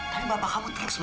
tapi bapak kamu terus maksa aku